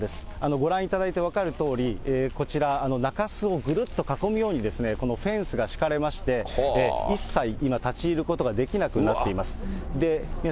ご覧いただいて分かるとおり、こちら、中洲をぐるっと囲むように、このフェンスが敷かれまして、一切、今、立ち入ることができなくなっています。